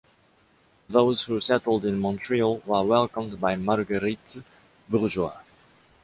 Those who settled in Montreal were welcomed by Marguerite Bourgeoys.